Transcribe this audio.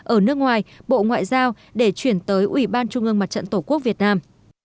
ở nước ngoài bộ ngoại giao để chuyển tới ủy ban trung ương mặt trận tổ quốc việt nam